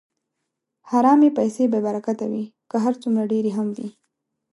حرامې پیسې بېبرکته وي، که هر څومره ډېرې هم وي.